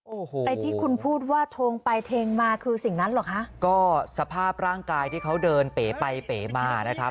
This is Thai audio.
โอ้โหไอ้ที่คุณพูดว่าทงไปเทงมาคือสิ่งนั้นเหรอคะก็สภาพร่างกายที่เขาเดินเป๋ไปเป๋มานะครับ